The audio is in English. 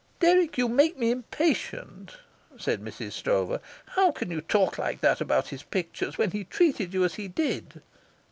"Dirk, you make me impatient," said Mrs. Stroeve. "How can you talk like that about his pictures when he treated you as he did?"